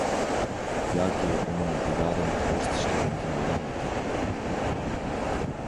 ياكى ئۇنىڭ دىدارىنى كۆرسىتىشكە مۇمكىن بولارمىكىن؟